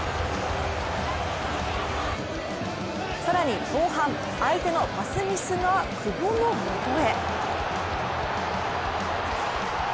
更に後半相手のパスミスが久保のもとへ。